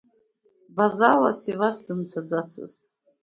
Базала Сивас дымцаӡацызт.